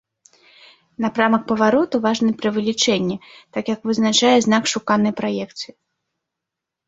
Напрамак павароту важны пры вылічэнні, так як вызначае знак шуканай праекцыі.